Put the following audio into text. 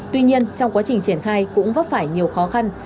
tuy nhiên trong quá trình triển khai cũng vấp phải nhiều khó khăn